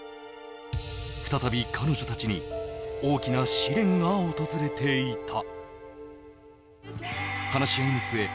再び彼女たちに大きな試練が訪れていた。